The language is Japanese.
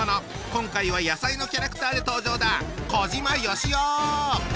今回は野菜のキャラクターで登場だ。